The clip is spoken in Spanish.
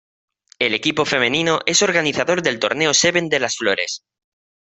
El equipo femenino es organizador del torneo Seven de las Flores.